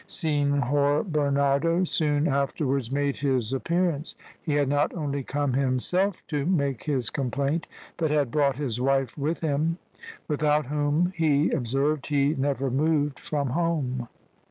Senhor Bernardo soon afterwards made his appearance. He had not only come himself to make his complaint, but had brought his wife with him, without whom, he observed, he never moved from home.